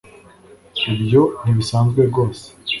ibyo ntibisanzwe rwose